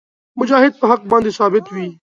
مجاهد په حق باندې ثابت وي.